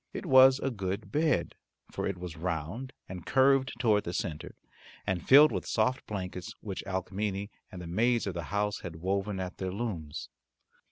It was a good bed, for it was round and curved toward the centre, and filled with soft blankets which Alcmene and the maids of the house had woven at their looms.